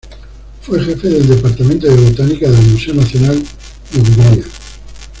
Fue jefe del Departamento de botánica del Museo Nacional de Hungría.